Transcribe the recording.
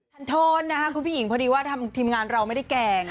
ท่านโทษนะคะคุณผู้หญิงพอดีว่าทีมงานเราไม่ได้แกล้ง